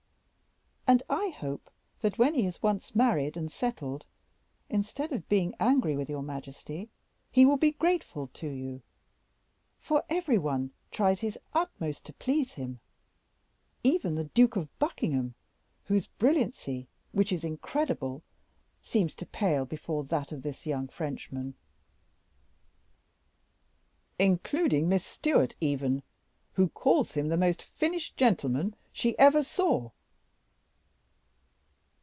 "And I hope that when he is once married and settled, instead of being angry with your majesty, he will be grateful to you, for every one tries his utmost to please him; even the Duke of Buckingham, whose brilliancy, which is incredible, seems to pale before that of this young Frenchman." "Including Miss Stewart even, who calls him the most finished gentleman she ever saw."